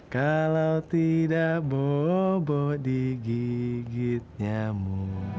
kalau tidak bobo di gigitnya mu